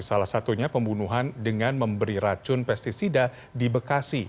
salah satunya pembunuhan dengan memberi racun pesticida di bekasi